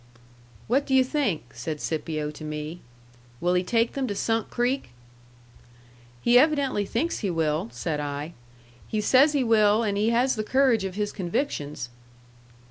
"What do yu' think?" said Scipio to me. "Will he take them to Sunk Creek?" "He evidently thinks he will," said I. "He says he will, and he has the courage of his convictions."